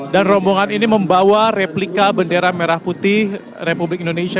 dan rombongan ini membawa replika bendera merah putih republik indonesia